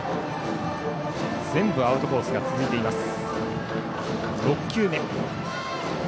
全部アウトコースが続いています。